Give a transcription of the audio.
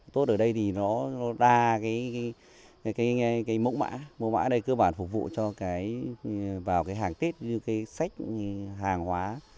tốt ở đây thì nó đa cái mẫu mã mẫu mã đây cơ bản phục vụ cho cái vào cái hàng tết như cái sách hàng hóa